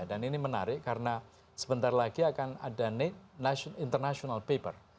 dan ini menarik karena sebentar lagi akan ada international paper